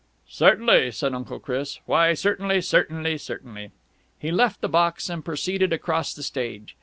"Certainly," said Uncle Chris. "Why, certainly, certainly, certainly." He left the box and proceeded across the stage.